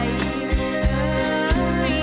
เสียงรัก